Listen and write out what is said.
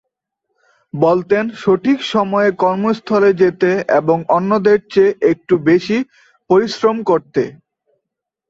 বলতেন সঠিক সময়ে কর্মস্থলে যেতে এবং অন্যদের চেয়ে একটু বেশি পরিশ্রম করতে।